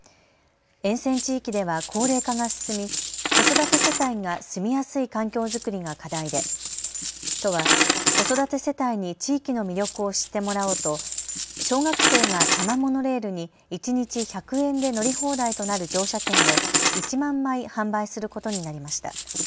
沿線地域では高齢化が進み子育て世帯が住みやすい環境作りが課題で都は子育て世帯に地域の魅力を知ってもらおうと小学生が多摩モノレールに一日１００円で乗り放題となる乗車券を１万枚販売することになりました。